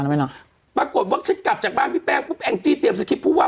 แล้วไหมเนาะปรากฏว่าฉันกลับจากบ้านพี่แป้งปุ๊บแองจี้เตรียมสคริปผู้ว่า